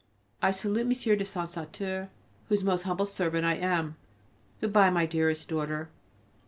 I salute M. de Saint Satur, whose most humble servant I am. Good bye, my dearest daughter.